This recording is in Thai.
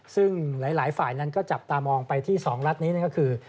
ซึ่งหลายฝ่ายนั้นก็จับตามองไปที่๒รัฐนี้ก็คือ